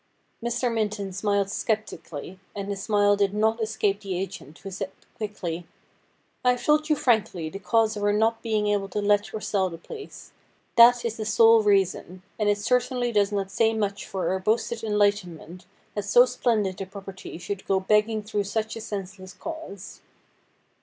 Mr. Minton smiled sceptically, and this smile did not escape the agent, who said quickly :' I have told you frankly the cause of our not being able to let or sell the place. That is the sole reason ; and it certainly does not say much for our boasted enlightenment that so splendid a property should go begging through such a senseless cause.'